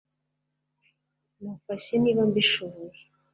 Nafasha niba mbishoboye